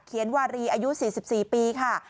เขียนวารีอายุ๔๔ปีค่ะ